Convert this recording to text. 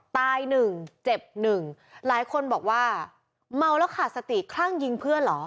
ตายหนึ่งเจ็บหนึ่งหลายคนบอกว่าเมาแล้วขาดสติคลั่งยิงเพื่อนเหรอ